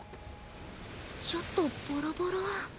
ちょっとボロボロ。